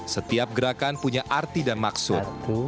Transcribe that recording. setiap gerakan punya arti dan maksud